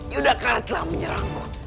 yudhakarat telah menyerangku